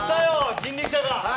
人力舎が。